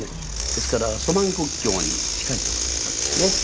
ですからソ満国境に近い所だったですね。